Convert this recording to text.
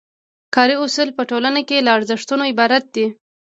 کاري اصول په ټولنه کې له ارزښتونو عبارت دي.